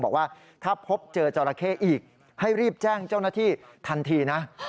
บอกว่าถ้าพบเจอจราเข้อีกให้รีบแจ้งเจ้าหน้าที่ทันทีนะ